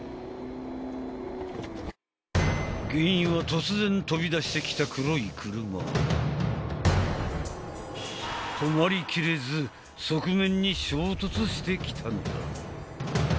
原因は突然飛び出してきた黒い車止まりきれず側面に衝突してきたのだ